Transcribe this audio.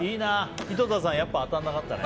井戸田さん、やっぱり当たらなかったね。